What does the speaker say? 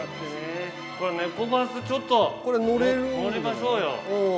ネコバスちょっと乗りましょうよ。